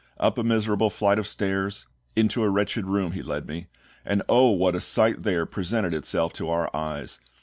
Up a miserable flight of stairs, into a wretched room, he led me; and oh what a sight there presented itself to our eyes!